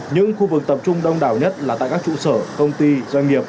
những khu vực tập trung đông đảo nhất là tại các trụ sở công ty doanh nghiệp